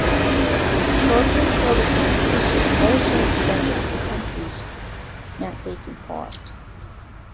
Coverage of the competition also extended to countries not taking part.